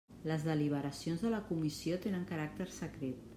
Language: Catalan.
Les deliberacions de la Comissió tenen caràcter secret.